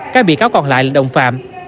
các bị cáo còn lại là đồng phạm